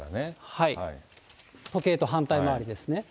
時計と反対回りですね。